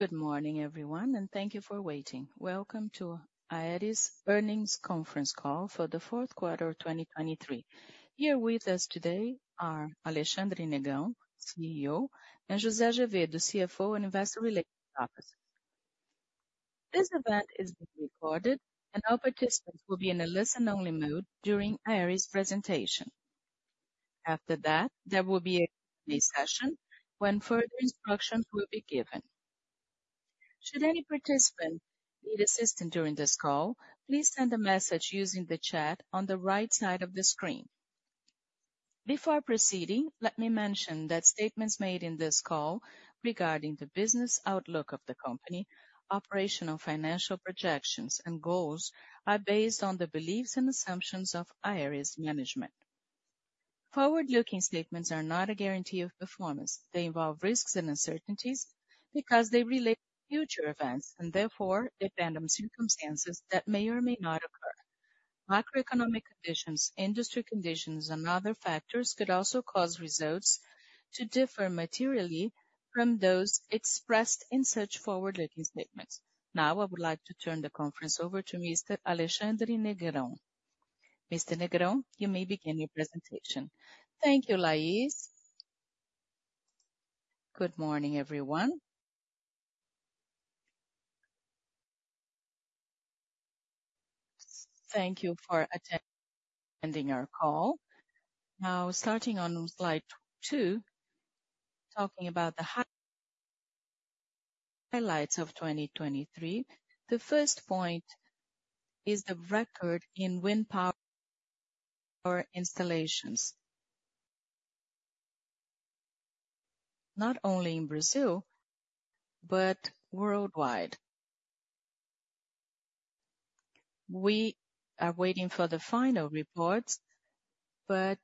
Good morning, everyone, and thank you for waiting. Welcome to Aeris Earnings Conference Call for the fourth quarter of 2023. Here with us today are Alexandre Negrão, CEO, and José Azevedo, the CFO and Investor Relations Officer. This event is being recorded, and all participants will be in a listen-only mode during Aeris' presentation. After that, there will be a Q&A session when further instructions will be given. Should any participant need assistance during this call, please send a message using the chat on the right side of the screen. Before proceeding, let me mention that statements made in this call regarding the business outlook of the company, operational financial projections, and goals are based on the beliefs and assumptions of Aeris management. Forward-looking statements are not a guarantee of performance. They involve risks and uncertainties because they relate to future events and therefore depend on circumstances that may or may not occur. Macroeconomic conditions, industry conditions, and other factors could also cause results to differ materially from those expressed in such forward-looking statements. Now I would like to turn the conference over to Mr. Alexandre Negrão. Mr. Negrão, you may begin your presentation. Thank you, Laís. Good morning, everyone. Thank you for attending our call. Now, starting on slide 2, talking about the highlights of 2023, the first point is the record in wind power installations, not only in Brazil but worldwide. We are waiting for the final reports, but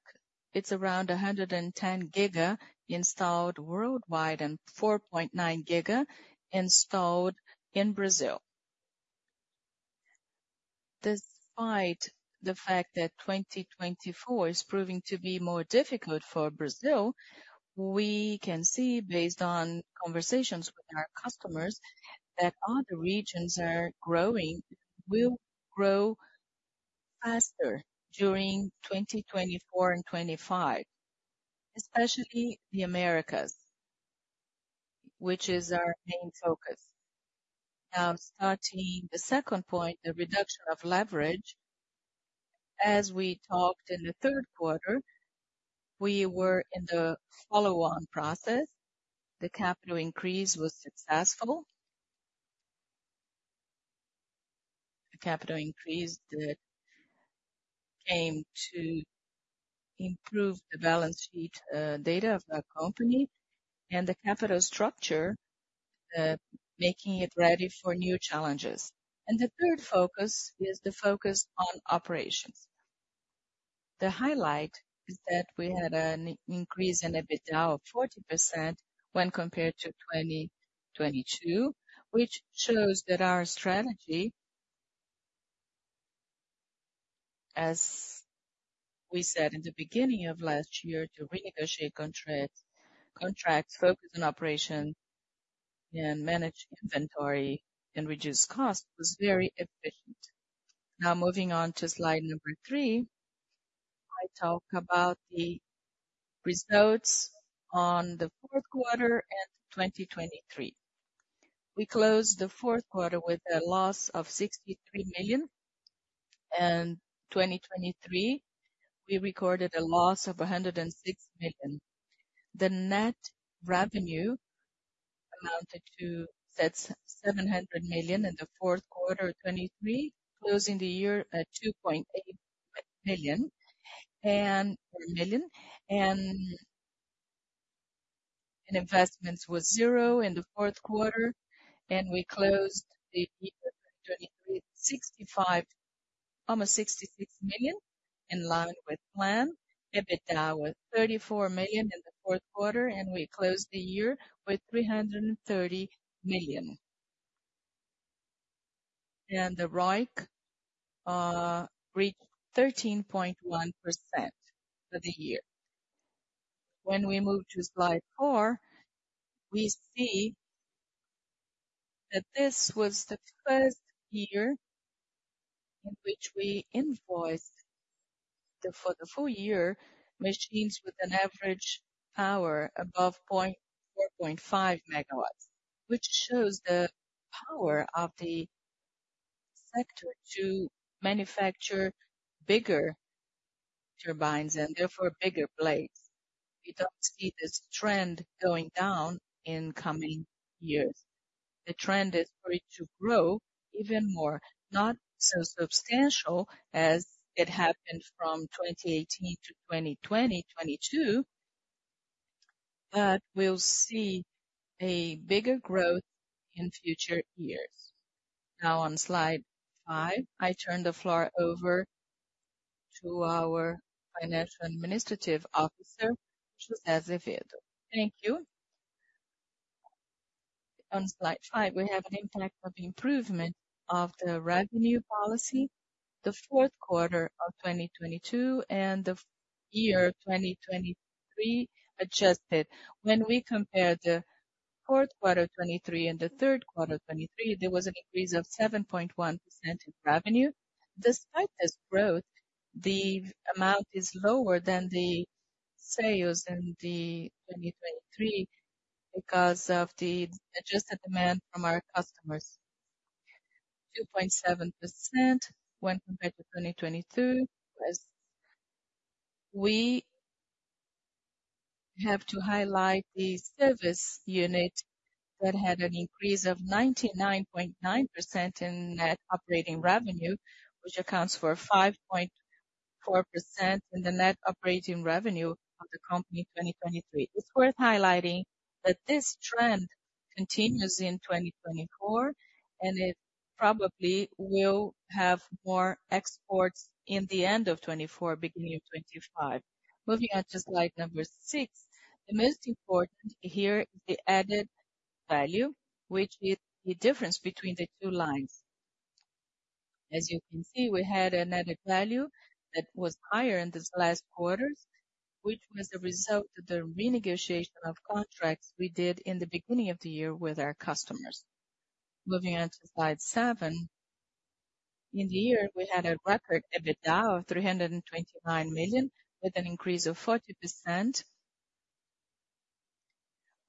it's around 110 giga installed worldwide and 4.9 giga installed in Brazil. Despite the fact that 2024 is proving to be more difficult for Brazil, we can see, based on conversations with our customers, that other regions are growing and will grow faster during 2024 and 2025, especially the Americas, which is our main focus. Now, starting the second point, the reduction of leverage. As we talked in the third quarter, we were in the follow-on process. The capital increase was successful. The capital increase came to improve the balance sheet data of our company and the capital structure, making it ready for new challenges. The third focus is the focus on operations. The highlight is that we had an increase in EBITDA of 40% when compared to 2022, which shows that our strategy, as we said in the beginning of last year, to renegotiate contracts, focus on operations, and manage inventory and reduce costs, was very efficient. Now, moving on to slide number 3, I talk about the results on the 4th quarter and 2023. We closed the 4th quarter with a loss of 63 million, and 2023 we recorded a loss of 106 million. The net revenue amounted to 700 million in the 4th quarter of 2023, closing the year at 2.8 billion, and investments were 0 in the 4th quarter, and we closed the year 2023 at 65 million, almost 66 million, in line with plan. EBITDA was 34 million in the 4th quarter, and we closed the year with 330 million. The ROIC reached 13.1% for the year. When we move to slide 4, we see that this was the first year in which we invoiced, for the full year, machines with an average power above 4.5 MW, which shows the power of the sector to manufacture bigger turbines and therefore bigger blades. We don't see this trend going down in coming years. The trend is for it to grow even more, not so substantial as it happened from 2018 to 2022, but we'll see a bigger growth in future years. Now, on slide 5, I turn the floor over to our Financial Administrative Officer, José Azevedo. Thank you. On slide 5, we have an impact of improvement of the revenue policy, the 4th quarter of 2022 and the year 2023 adjusted. When we compare the 4th quarter of 2023 and the 3rd quarter of 2023, there was an increase of 7.1% in revenue. Despite this growth, the amount is lower than the sales in 2023 because of the adjusted demand from our customers, 2.7% when compared to 2022. We have to highlight the service unit that had an increase of 99.9% in net operating revenue, which accounts for 5.4% in the net operating revenue of the company in 2023. It's worth highlighting that this trend continues in 2024, and it probably will have more exports in the end of 2024, beginning of 2025. Moving on to slide 6, the most important here is the added value, which is the difference between the two lines. As you can see, we had an added value that was higher in these last quarters, which was the result of the renegotiation of contracts we did in the beginning of the year with our customers. Moving on to slide 7, in the year we had a record EBITDA of 329 million, with an increase of 40%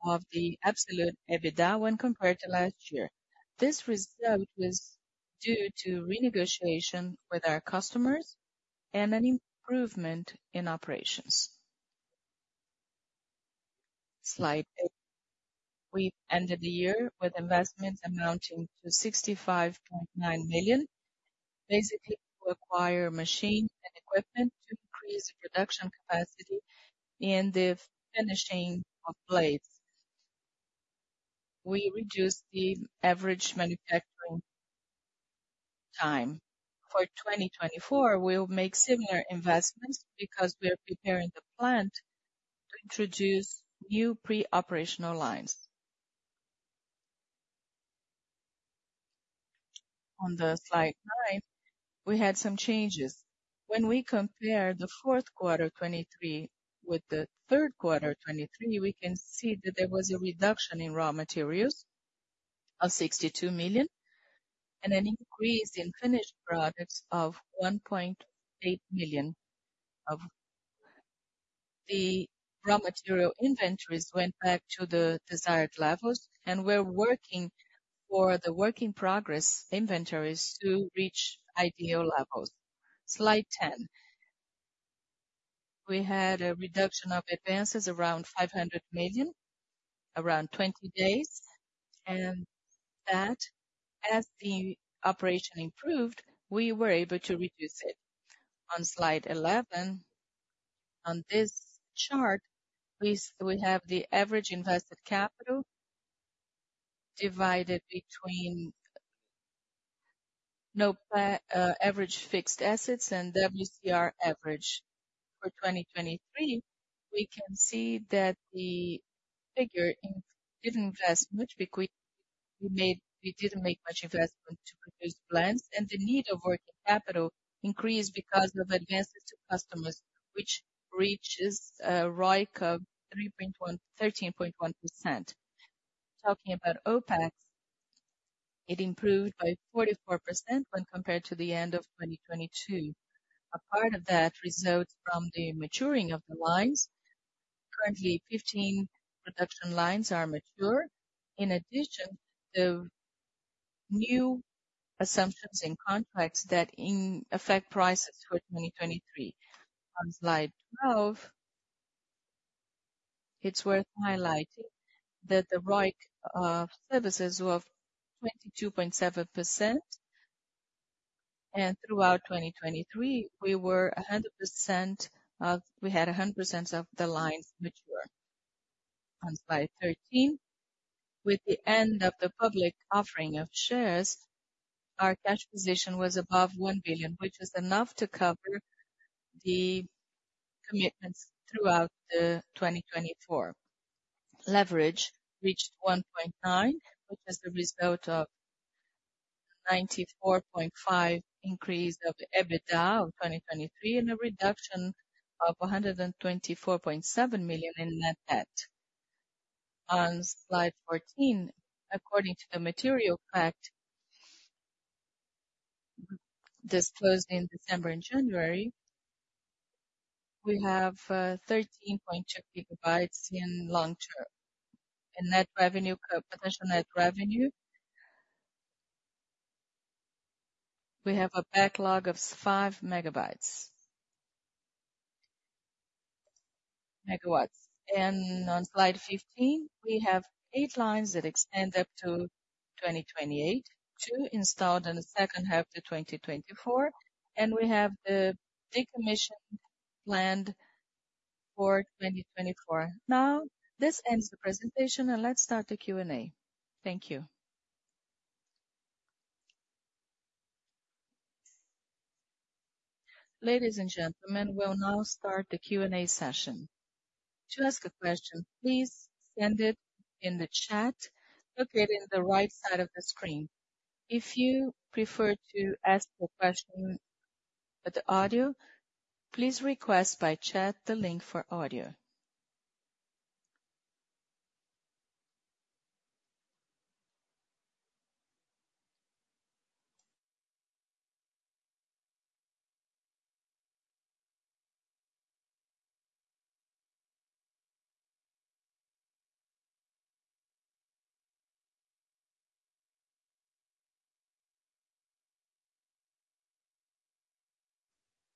of the absolute EBITDA when compared to last year. This result was due to renegotiation with our customers and an improvement in operations. Slide 8, we ended the year with investments amounting to 65.9 million, basically to acquire machines and equipment to increase the production capacity in the finishing of blades. We reduced the average manufacturing time. For 2024, we'll make similar investments because we are preparing the plant to introduce new pre-operational lines. On slide 9, we had some changes. When we compare the 4th quarter of 2023 with the 3rd quarter of 2023, we can see that there was a reduction in raw materials of 62 million and an increase in finished products of 1.8 million. The raw material inventories went back to the desired levels, and we're working for the work in progress inventories to reach ideal levels. Slide 10, we had a reduction of advances around 500 million, around 20 days, and that, as the operation improved, we were able to reduce it. On slide 11, on this chart, we have the average invested capital divided between average fixed assets and WCR average. For 2023, we can see that the figure didn't invest much, because we didn't make much investment to produce blades, and the need of working capital increased because of advances to customers, which reaches ROIC of 13.1%. Talking about OPEX, it improved by 44% when compared to the end of 2022. A part of that results from the maturing of the lines. Currently, 15 production lines are mature. In addition, the new assumptions in contracts that affect prices for 2023. On slide 12, it's worth highlighting that the ROIC of services was 22.7%, and throughout 2023, we had 100% of the lines mature. On slide 13, with the end of the public offering of shares, our cash position was above 1 billion, which is enough to cover the commitments throughout 2024. Leverage reached 1.9, which is the result of a 94.5% increase of EBITDA of 2023 and a reduction of 124.7 million in net debt. On slide 14, according to the material fact disclosed in December and January, we have 13.2 GW in long-term. In net revenue, potential net revenue, we have a backlog of 5 GW. On slide 15, we have 8 lines that extend up to 2028, 2 installed in the second half of 2024, and we have the decommissioning planned for 2024. Now, this ends the presentation, and let's start the Q&A. Thank you. Ladies and gentlemen, we'll now start the Q&A session. To ask a question, please send it in the chat located on the right side of the screen. If you prefer to ask a question for the audio, please request by chat the link for audio.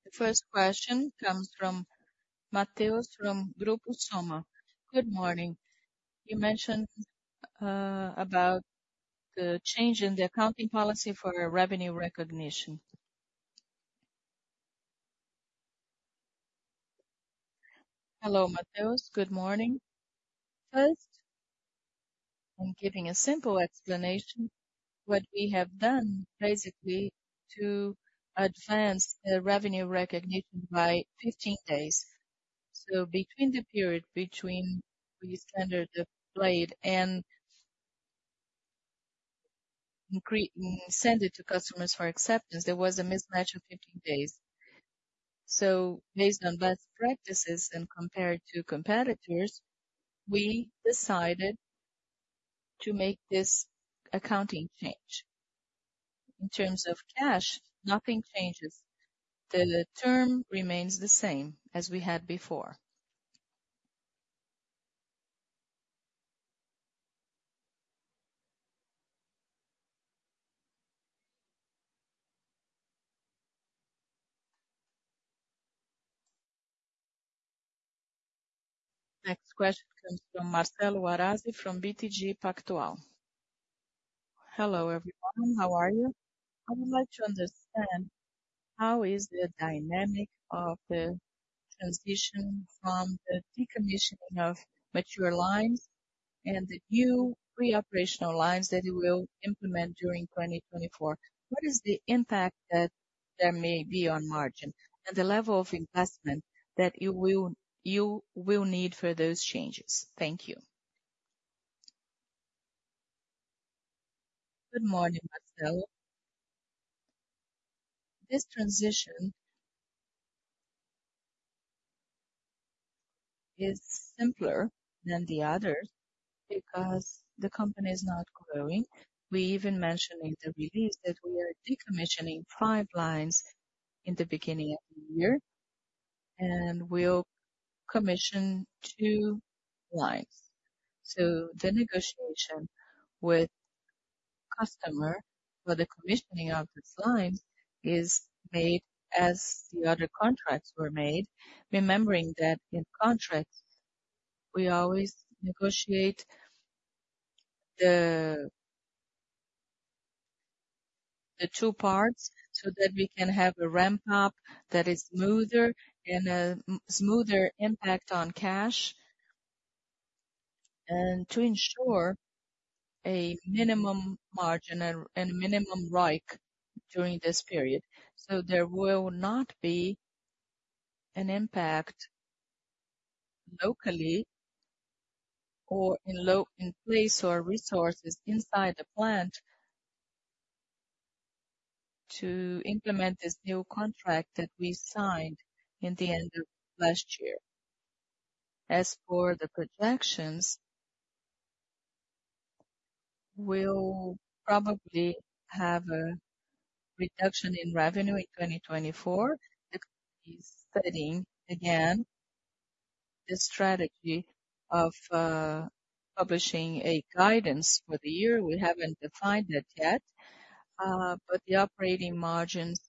The first question comes from Mateus from Grupo Soma. Good morning. You mentioned about the change in the accounting policy for revenue recognition. Hello, Mateus. Good morning. First, I'm giving a simple explanation of what we have done, basically, to advance the revenue recognition by 15 days. So, between the period between we standardized the blade and sent it to customers for acceptance, there was a mismatch of 15 days. So, based on best practices and compared to competitors, we decided to make this accounting change. In terms of cash, nothing changes. The term remains the same as we had before. Next question comes from Marcelo Arazi from BTG Pactual. Hello, everyone. How are you? I would like to understand how is the dynamic of the transition from the decommissioning of mature lines and the new pre-operational lines that you will implement during 2024? What is the impact that there may be on margin and the level of investment that you will need for those changes? Thank you. Good morning, Marcelo. This transition is simpler than the others because the company is not growing. We even mentioned in the release that we are decommissioning five lines in the beginning of the year and will commission two lines. So, the negotiation with the customer for the commissioning of those lines is made as the other contracts were made, remembering that in contracts, we always negotiate the two parts so that we can have a ramp-up that is smoother and a smoother impact on cash and to ensure a minimum margin and minimum ROIC during this period. So, there will not be an impact locally or in place or resources inside the plant to implement this new contract that we signed in the end of last year. As for the projections, we'll probably have a reduction in revenue in 2024. The company is studying again the strategy of publishing a guidance for the year. We haven't defined that yet, but the operating margins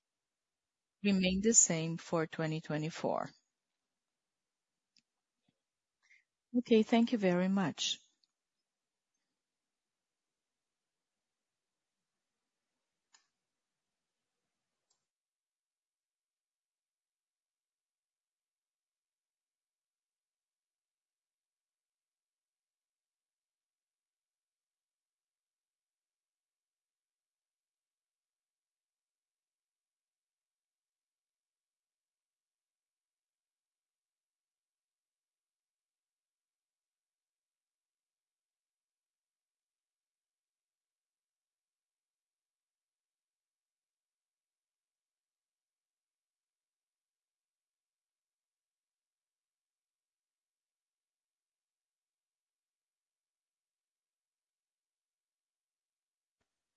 remain the same for 2024. Okay, thank you very much.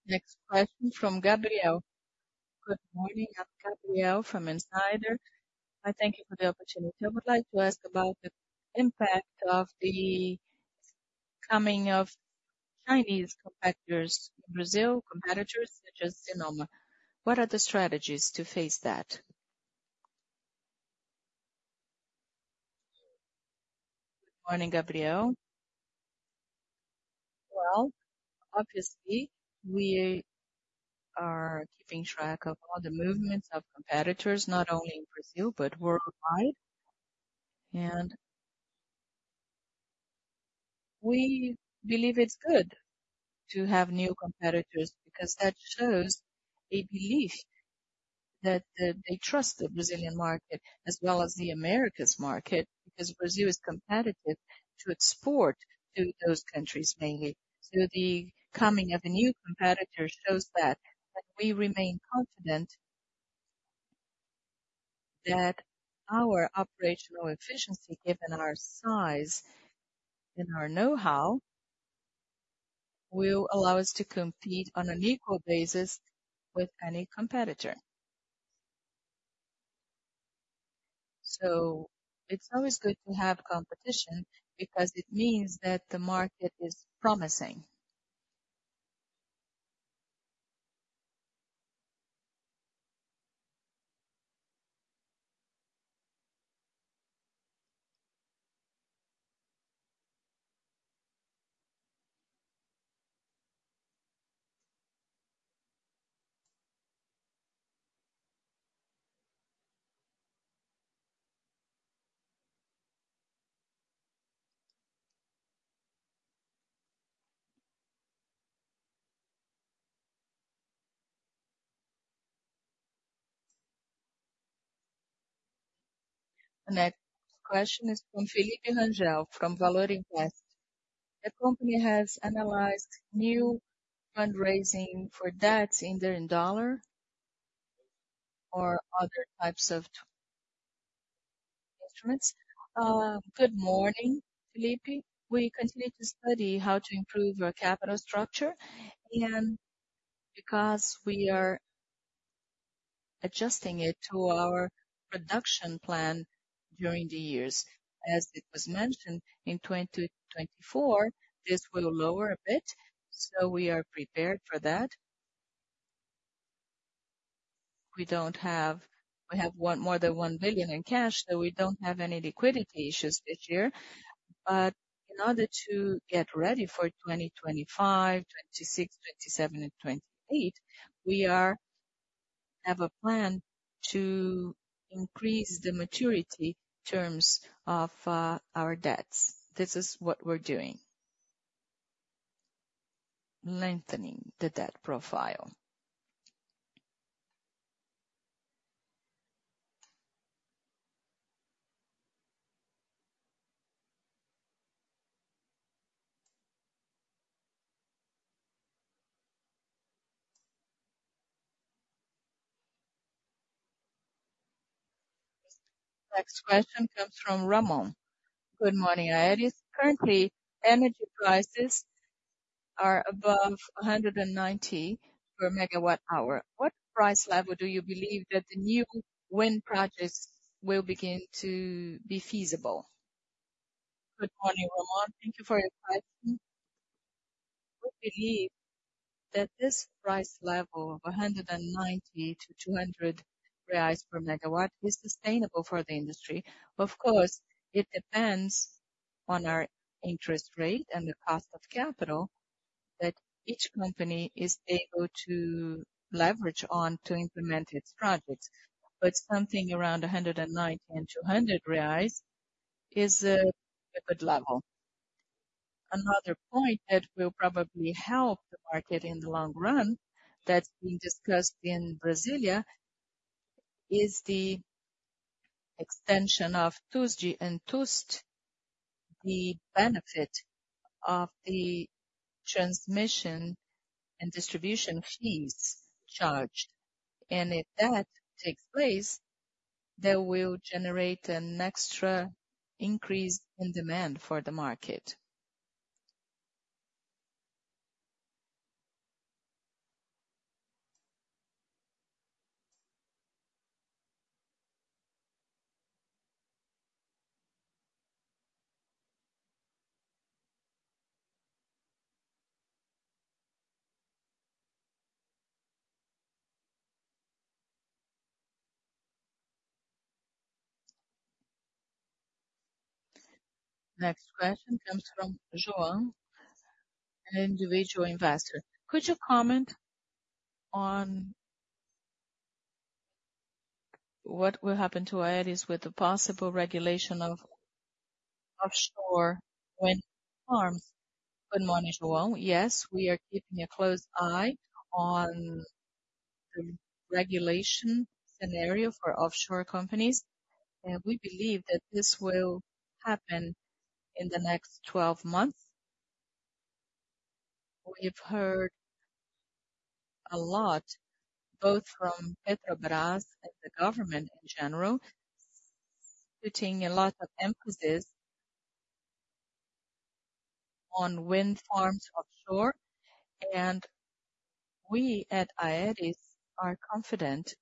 Next question from Gabriel. Good morning. I'm Gabriel from Insider. Hi, thank you for the opportunity. I would like to ask about the impact of the coming of Chinese competitors in Brazil, competitors such as Sinoma. What are the strategies to face that? Good morning, Gabriel. Well, obviously, we are keeping track of all the movements of competitors, not only in Brazil but worldwide, and we believe it's good to have new competitors because that shows a belief that they trust the Brazilian market as well as the Americas market because Brazil is competitive to export to those countries mainly. So, the coming of a new competitor shows that, and we remain confident that our operational efficiency, given our size and our know-how, will allow us to compete on an equal basis with any competitor. So, it's always good to have competition because it means that the market is promising. The next question is from Filipe Rangel from Valora Investimentos. The company has analyzed new fundraising for debts in the dollar or other types of instruments. Good morning, Felipe. We continue to study how to improve our capital structure and because we are adjusting it to our production plan during the years. As it was mentioned in 2024, this will lower a bit, so we are prepared for that. We have more than 1 billion in cash, so we don't have any liquidity issues this year. But in order to get ready for 2025, 2026, 2027, and 2028, we have a plan to increase the maturity terms of our debts. This is what we're doing: lengthening the debt profile. Next question comes from Ramon. Good morning, Aeris. Currently, energy prices are above 190 per megawatt-hour. What price level do you believe that the new wind projects will begin to be feasible? Good morning, Ramon. Thank you for your question. We believe that this price level of 190-200 reais per megawatt is sustainable for the industry. Of course, it depends on our interest rate and the cost of capital that each company is able to leverage on to implement its projects, but something around 190 and 200 reais is a good level. Another point that will probably help the market in the long run that's being discussed in Brasília is the extension of TUSD and TUST, the benefit of the transmission and distribution fees charged. And if that takes place, that will generate an extra increase in demand for the market. Next question comes from João, an individual investor. Could you comment on what will happen to Aeris with the possible regulation of offshore wind farms? Good morning, João.Yes, we are keeping a close eye on the regulation scenario for offshore companies, and we believe that this will happen in the next 12 months. We've heard a lot, both from Petrobras and the government in general, putting a lot of emphasis on wind farms offshore. And we at Aeris are confident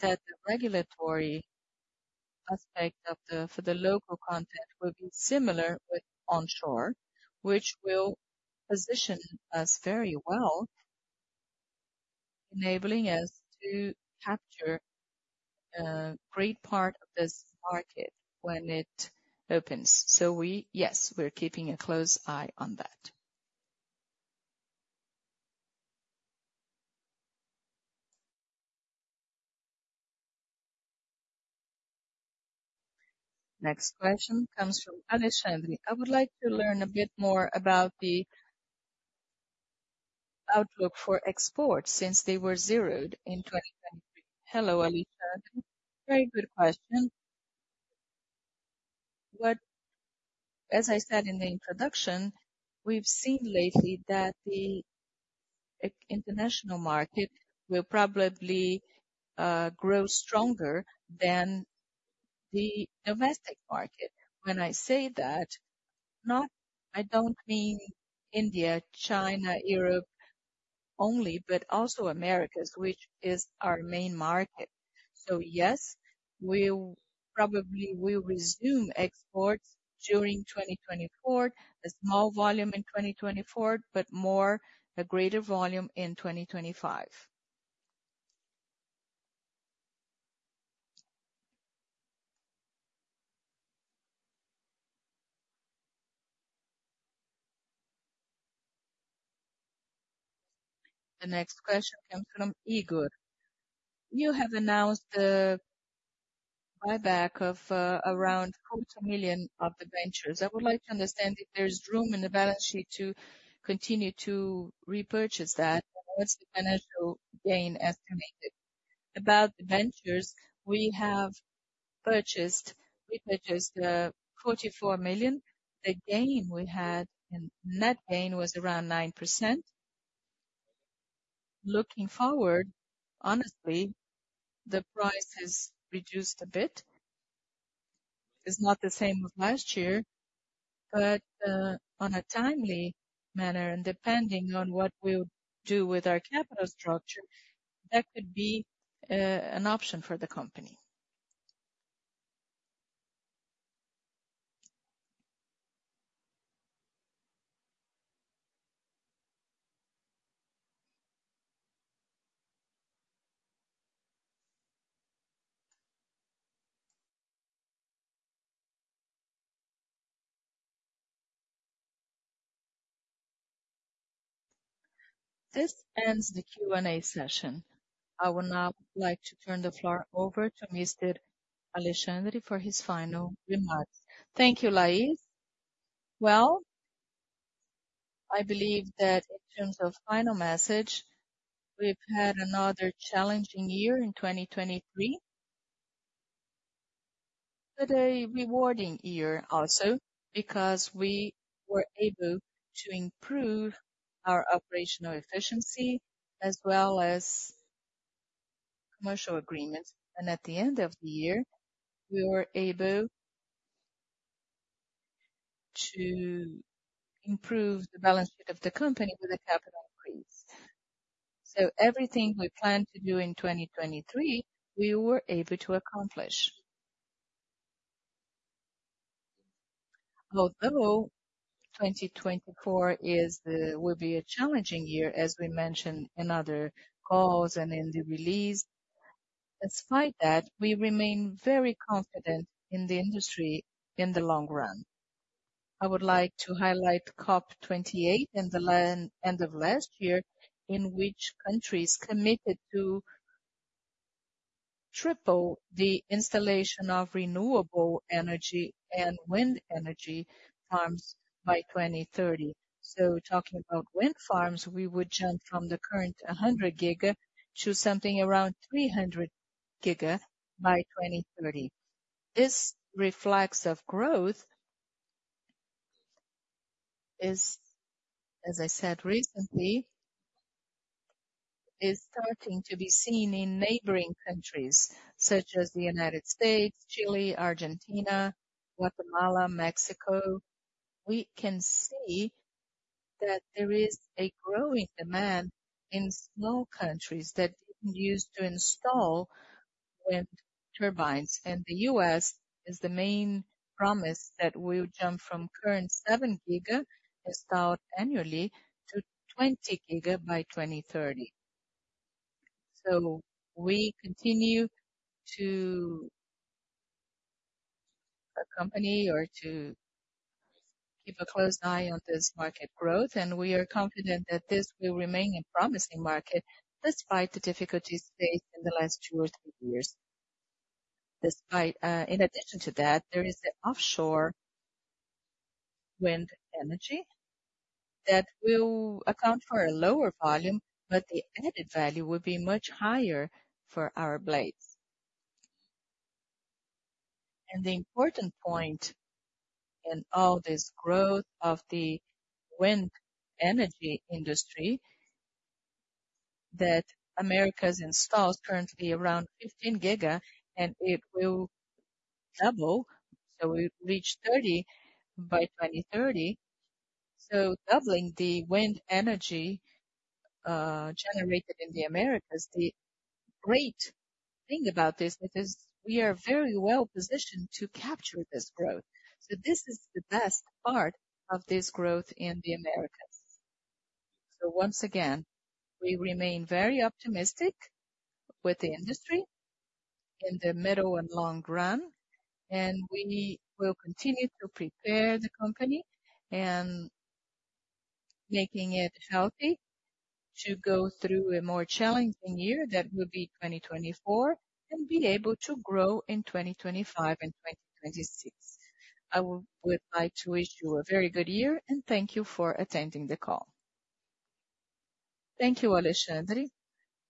that the regulatory aspect for the local content will be similar with onshore, which will position us very well, enabling us to capture a great part of this market when it opens. So yes, we're keeping a close eye on that. Next question comes from Alexandre. I would like to learn a bit more about the outlook for exports since they were zeroed in 2023. Hello, Alexandre. Very good question. As I said in the introduction, we've seen lately that the international market will probably grow stronger than the domestic market. When I say that, I don't mean India, China or Europe only, but also America, which is our main market. So yes, probably we'll resume exports during 2024, a small volume in 2024, but a greater volume in 2025. The next question comes from Igor. You have announced the buyback of around 250,000 of the debentures. I would like to understand if there's room in the balance sheet to continue to repurchase that. What's the financial gain estimated? About the debentures, we have repurchased 44 million. The net gain was around 9%. Looking forward, honestly, the price has reduced a bit. It's not the same as last year, but on a timely manner and depending on what we'll do with our capital structure, that could be an option for the company. This ends the Q&A session. I would now like to turn the floor over to Mr. Alexandre for his final remarks. Thank you, Laís. Well, I believe that in terms of final message, we've had another challenging year in 2023, but a rewarding year also because we were able to improve our operational efficiency as well as commercial agreements. At the end of the year, we were able to improve the balance sheet of the company with a capital increase. Everything we planned to do in 2023, we were able to accomplish. Although 2024 will be a challenging year, as we mentioned in other calls and in the release, despite that, we remain very confident in the industry in the long run. I would like to highlight COP28 at the end of last year, in which countries committed to triple the installation of renewable energy and wind energy farms by 2030. So talking about wind farms, we would jump from the current 100 GW to something around 300 GW by 2030. This reflection of growth, as I said recently, is starting to be seen in neighboring countries such as the United States, Chile, Argentina, Guatemala, Mexico. We can see that there is a growing demand in small countries that didn't use to install wind turbines. And the U.S. is the main promise that we'll jump from current 7 GW installed annually to 20 GW by 2030. So we continue to accompany or to keep a close eye on this market growth, and we are confident that this will remain a promising market despite the difficulties faced in the last two or three years. In addition to that, there is the offshore wind energy that will account for a lower volume, but the added value will be much higher for our blades. The important point in all this growth of the wind energy industry is that Americas installs currently around 15 GW, and it will double, so we'll reach 30 GW by 2030. Doubling the wind energy generated in the Americas, the great thing about this is we are very well positioned to capture this growth. This is the best part of this growth in the Americas. Once again, we remain very optimistic with the industry in the middle and long run, and we will continue to prepare the company and make it healthy to go through a more challenging year that will be 2024 and be able to grow in 2025 and 2026. I would like to wish you a very good year, and thank you for attending the call. Thank you, Alexandre.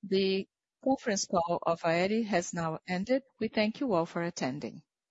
The conference call of Aeris has now ended. We thank you all for attending.